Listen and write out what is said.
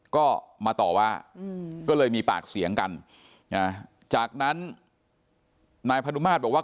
ก็มาต่อว่าก็เลยมีปากเสียงกันจากนั้นนายพนุมาตรบอกว่า